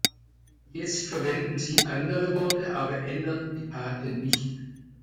Jetzt verwenden Sie andere Worte, aber ändern die Taten nicht.